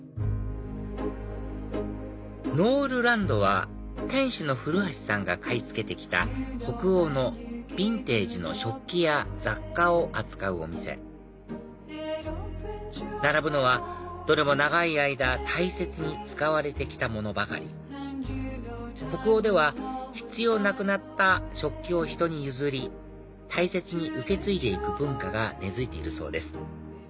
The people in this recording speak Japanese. ＮＯＲＲＬＡＮＤは店主の古橋さんが買い付けて来た北欧のヴィンテージの食器や雑貨を扱うお店並ぶのはどれも長い間大切に使われて来たものばかり北欧では必要なくなった食器をひとに譲り大切に受け継いで行く文化が根付いているそうです